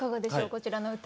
こちらの歌。